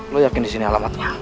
lo yakin disini alamatnya